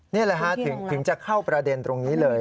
นี่แหละฮะถึงจะเข้าประเด็นตรงนี้เลย